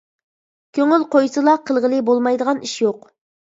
كۆڭۈل قويسىلا قىلغىلى بولمايدىغان ئىش يوق!